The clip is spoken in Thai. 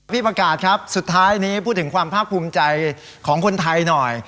ประกาศครับสุดท้ายนี้พูดถึงความภาคภูมิใจของคนไทยหน่อย